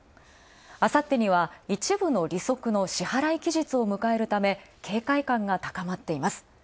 あさってには一部の利息の支払期日を迎えるため、警戒感が高まっています。